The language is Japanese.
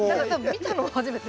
見たのも初めて。